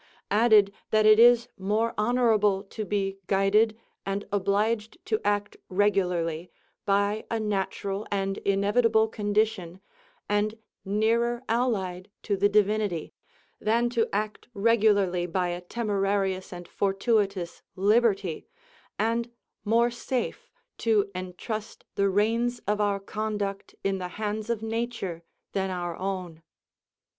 added that it is more honourable to be guided and obliged to act regularly by a natural and inevitable condition, and nearer allied to the divinity, than to act regularly by a temerarious and fortuitous liberty, and more safe to entrust the reins of our conduct in the hands of nature than our own.